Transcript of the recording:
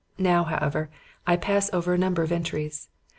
Now, however, I pass over a number of entries.